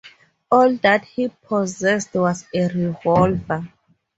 All that he possessed was a revolver.